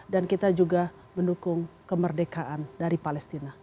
dan kita juga mendukung kemerdekaan dari palestina